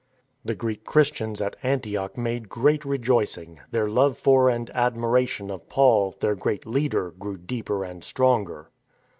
The Greek Christians at Antioch made great rejoicing, their love for and admiration of Paul, their great leader, grew deeper and stronger.